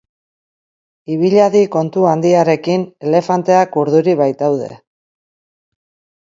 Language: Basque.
Ibil hadi kontu handiarekin elefanteak urduri baitaude.